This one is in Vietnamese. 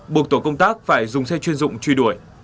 buộc tổ công tác phải dùng xe chuyên dụng truy đuổi